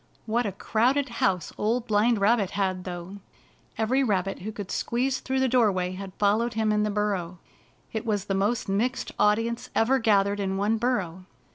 What a crowded house Old Blind Rabbit had, though! Every rabbit who could squeeze through the doorway had followed him in the burrow. It was the most mixed audience ever gathered in one burrow.